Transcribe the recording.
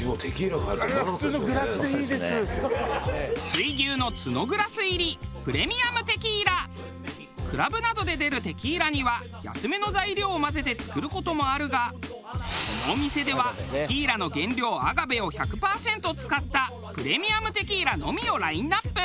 水牛の角グラス入りクラブなどで出るテキーラには安めの材料を混ぜて作る事もあるがこのお店ではテキーラの原料アガベを１００パーセント使ったプレミアムテキーラのみをラインアップ。